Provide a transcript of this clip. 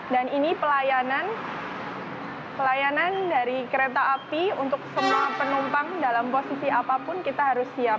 dan ini pelayanan pelayanan dari kereta api untuk semua penumpang dalam posisi apapun kita harus siap